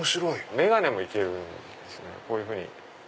眼鏡も行けるんですこういうふうに。